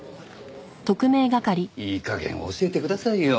いい加減教えてくださいよ。